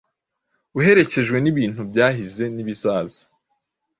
Uherekejwe nibintu byahize nibizaza